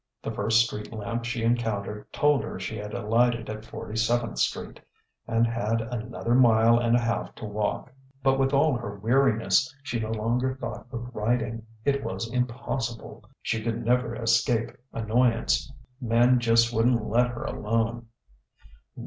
The first street lamp she encountered told her she had alighted at Forty seventh Street, and had another mile and a half to walk. But with all her weariness, she no longer thought of riding; it was impossible ... she could never escape annoyance ... men just wouldn't let her alone....